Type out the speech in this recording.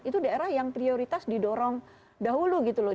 itu daerah yang prioritas didorong dahulu gitu loh